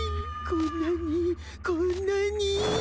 こんなにこんなに。